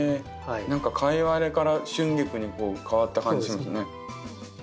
何かカイワレからシュンギクに変わった感じしますね。